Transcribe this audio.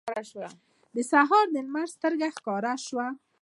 د سهار لمر سترګه ښکاره شوه.